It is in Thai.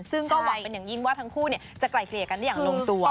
ซึ่งก็หวังเป็นอย่างยิ่งว่าทั้งคู่จะไกลเกลี่ยกันได้อย่างลงตัว